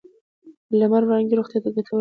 د لمر وړانګې روغتیا ته ګټورې دي.